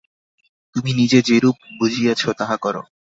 তুমি নিজে যেরূপ বুঝিয়াছ, তাহা কর।